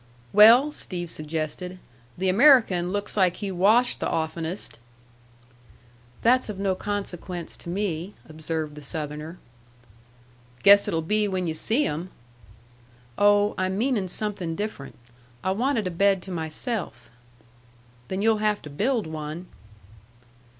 "Well," Steve suggested, "the American looks like he washed the oftenest." "That's of no consequence to me," observed the Southerner. "Guess it'll be when yu' see 'em." "Oh, I'm meaning something different. I wanted a bed to myself." "Then you'll have to build one."